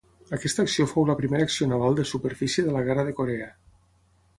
Aquesta acció fou la primera acció naval de superfície de la Guerra de Corea.